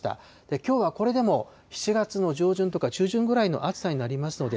きょうはこれでも７月の上旬とか、中旬ぐらいの暑さになりますので。